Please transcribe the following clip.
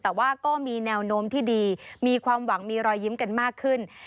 แต่ว่าก็มีแนวโน้มที่ดีมีความหวังมีรอยยิ้มกันมากขึ้น